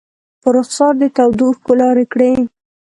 په رخسار دې تودو اوښکو لارې کړي